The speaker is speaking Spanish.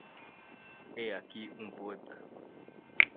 He aquí un poeta.